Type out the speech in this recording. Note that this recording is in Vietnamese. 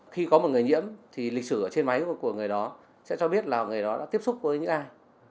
khi có một người nhiễm thì lịch sử ở trên máy của người đó sẽ cho biết là người đó đã tiếp xúc với những ai